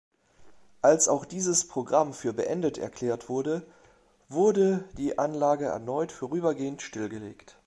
Als auch dieses Programm für beendet erklärt wurde, wurde die Anlage erneut vorübergehend stillgelegt.